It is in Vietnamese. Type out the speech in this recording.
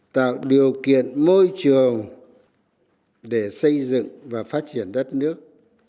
tạo điều kiện môi trường để xây dựng và phát triển đất nước